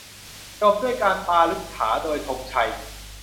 จบการปาฐกถาโดยธงชัย